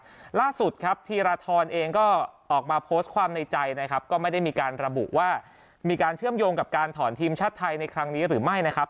ล่าสุดครับธีรทรเองก็ออกมาโพสต์ความในใจนะครับก็ไม่ได้มีการระบุว่ามีการเชื่อมโยงกับการถอนทีมชาติไทยในครั้งนี้หรือไม่นะครับ